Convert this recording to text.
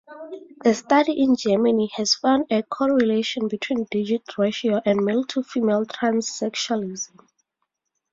A study in Germany has found a correlation between digit ratio and male-to-female transsexualism.